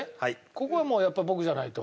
ここはもうやっぱり僕じゃないと。